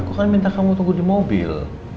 aku kan minta kamu tunggu di mobil